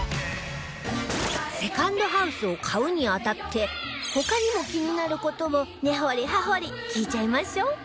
セカンドハウスを買うに当たって他にも気になる事を根掘り葉掘り聞いちゃいましょう